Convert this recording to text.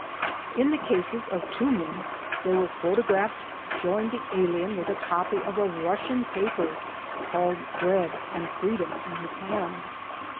In the cases of two men there were photo graphs showing the alien with a copy of a Russian paper called "Bread and Freedom" in his hand.